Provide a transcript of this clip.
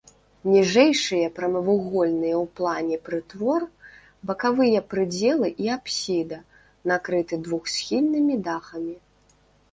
Ніжэйшыя прамавугольныя ў плане прытвор, бакавыя прыдзелы і апсіда накрыты двухсхільнымі дахамі.